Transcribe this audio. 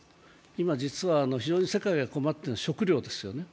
今、実は世界が困っているのは食糧ですよね。